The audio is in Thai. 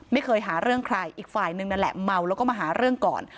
ไม่เคยหาเรื่องใครอีกฝ่ายนึงนั่นแหละเมาแล้วก็มาหาเรื่องก่อน